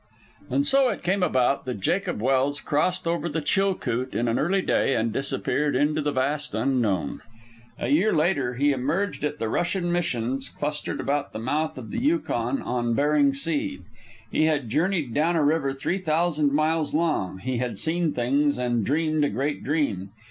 And so it came about that Jacob Welse crossed over the Chilcoot in an early day, and disappeared into the vast unknown. A year later he emerged at the Russian missions clustered about the mouth of the Yukon on Bering Sea. He had journeyed down a river three thousand miles long, he had seen things, and dreamed a great dream.